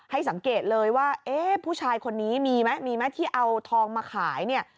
ให้สังเกตเลยว่าเอ๊ะผู้ชายคนนี้มีไหมมีไหมที่เอาทองมาขายเนี่ย